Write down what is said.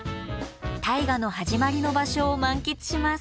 大河の始まりの場所を満喫します。